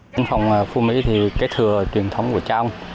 bên phòng phú mỹ thì kết thừa truyền thống của trang